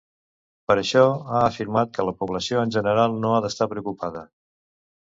Per això, ha afirmat que "la població en general no ha d'estar preocupada".